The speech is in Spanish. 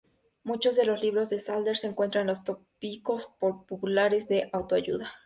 Muchos de los libros de Sadler se encuentran en los tópicos populares de autoayuda.